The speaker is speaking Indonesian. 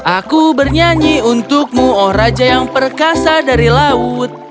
aku bernyanyi untukmu oh raja yang perkasa dari laut